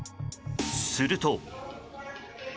すると。